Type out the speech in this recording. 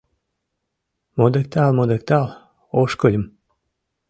Модыктал-модыктал ошкыльым.